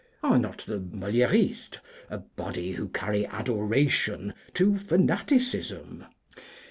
Are not the Moliéristes a body who carry adoration to fanaticism?